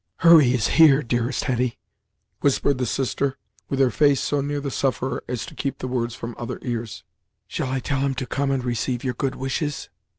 "Hurry is here, dearest Hetty," whispered the sister, with her face so near the sufferer as to keep the words from other ears. "Shall I tell him to come and receive your good wishes?"